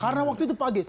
karena waktu itu pak geis